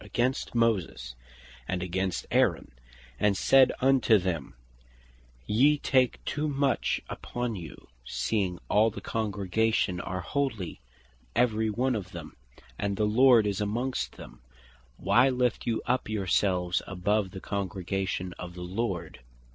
3) "against Moses, and against Aaron, and said unto them, 'Ye take too much upon you, seeing all the congregation are Holy, every one of them, and the Lord is amongst them, why lift you up your selves above the congregation of the Lord?